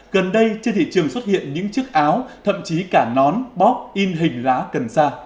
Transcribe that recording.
gần đây trên thị trường xuất hiện những chiếc áo thậm chí cả nón bóp in hình lá cần sa